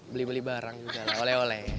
beli beli barang juga oleh oleh